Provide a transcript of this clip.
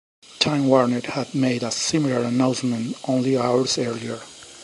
Time Warner had made a similar announcement only hours earlier.